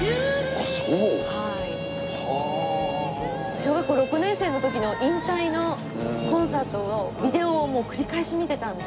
小学校６年生の時引退のコンサートをビデオを繰り返し見てたので。